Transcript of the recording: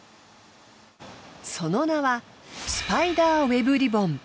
その名はスパイダーウェブリボン。